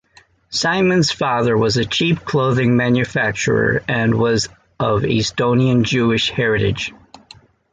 Simon's father was a cheap clothing manufacturer and was of Estonian Jewish heritage.